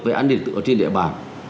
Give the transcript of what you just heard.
về an điện tựa trên địa bàn